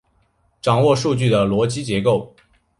掌握数据的逻辑结构